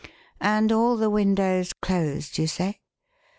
And all the windows closed, you say?"